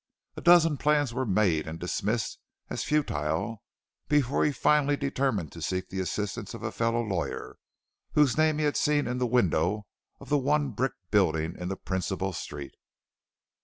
A dozen plans were made and dismissed as futile before he finally determined to seek the assistance of a fellow lawyer whose name he had seen in the window of the one brick building in the principal street.